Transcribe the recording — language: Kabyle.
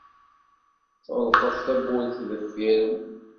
Tɣelqed tawwurt-nni deffir-m.